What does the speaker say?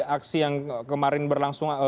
aksi yang kemarin berlangsung